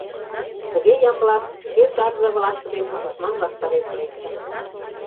Тыге Ямблат шке сарзе-влакше дене тушман ваштареш лектын.